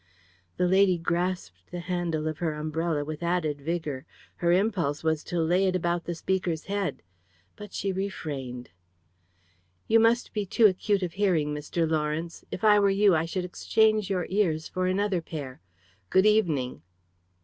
The lady grasped the handle of her umbrella with added vigour. Her impulse was to lay it about the speaker's head. But she refrained. "You must be too acute of hearing, Mr. Lawrence. If I were you, I should exchange your ears for another pair. Good evening."